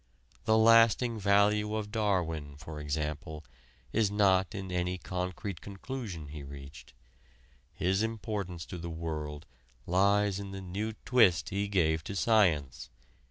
The lasting value of Darwin, for example, is not in any concrete conclusion he reached. His importance to the world lies in the new twist he gave to science.